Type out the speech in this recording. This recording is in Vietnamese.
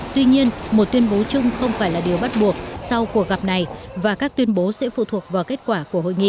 tuy nhiên một tuyên bố chung không phải là điều bắt buộc sau cuộc gặp này và các tuyên bố sẽ phụ thuộc vào kết quả của hội nghị